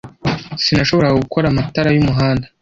Sinashoboraga gukora amatara yumuhanda.